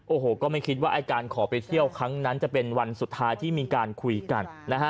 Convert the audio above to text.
โอ้โหก็ไม่คิดว่าไอ้การขอไปเที่ยวครั้งนั้นจะเป็นวันสุดท้ายที่มีการคุยกันนะฮะ